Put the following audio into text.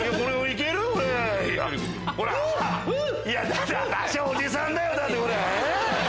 私おじさんだよ？